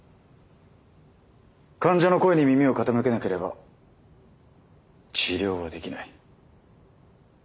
患者の声に耳を傾けなければ治療はできない。